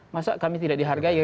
masa kami tidak dihargai